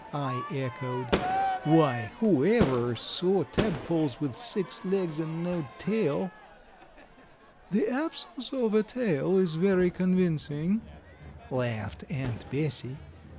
I echoed. "Why, whoever saw tadpoles with six legs and no tail?" "The absence of a tail is very convincing," laughed Aunt Bessie.